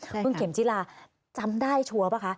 เบื้องเข็มจีลาจำได้ชัวร์เปล่าคะ